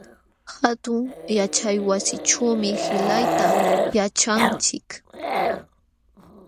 Hatun yaćhaywasićhuumi qillqayta yaćhanchik.